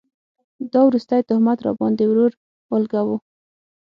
دا وروستی تهمت راباند ې ورور اولګوو